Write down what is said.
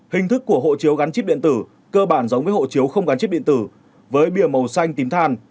hình thức của hộ chiếu gắn chip điện tử cơ bản giống với hộ chiếu không gắn chip điện tử với bìa màu xanh tím than